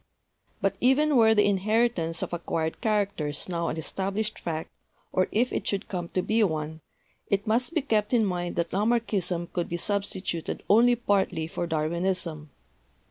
"But even were the inheritance of acquired characters now an established fact, or if it should come to be one, it must be kept in mind that Lamarckism could be sub stituted only partly for Darwinism.